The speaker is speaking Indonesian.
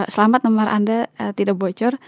selamat nomor anda tidak bocor